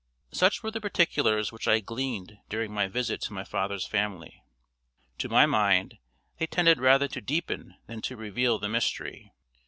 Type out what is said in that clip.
Such were the particulars which I gleaned during my visit to my father's family. To my mind, they tended rather to deepen than to reveal the mystery.